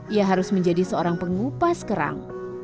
ia harus menjadi seorang pengupas kerang